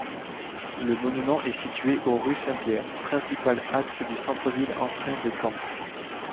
Le monument est situé au rue Saint-Pierre, principal axe du centre-ville ancien de Caen.